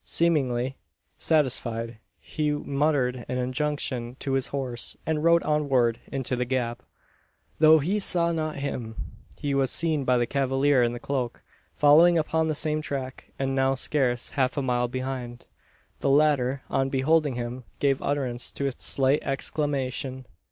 Seemingly satisfied, he muttered an injunction to his horse, and rode onward into the gap. Though he saw not him, he was seen by the cavalier in the cloak, following upon the same track, and now scarce half a mile behind. The latter, on beholding him, gave utterance to a slight exclamation.